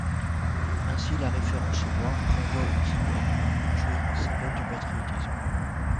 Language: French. Ainsi la référence au roi renvoie au King and Country, symbole du patriotisme.